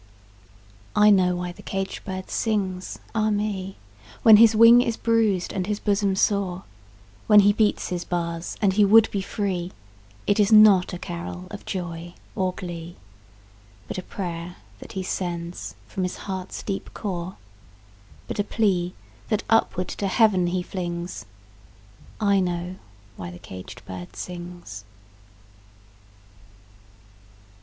I know why the caged bird sings, ah me, When his wing is bruised and his bosom sore, When he beats his bars and he would be free; It is not a carol of joy or glee, But a prayer that he sends from his heart's deep core, But a plea, that upward to Heaven he flings I know why the caged bird sings!